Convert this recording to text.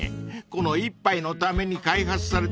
［この一杯のために開発されたしょうゆ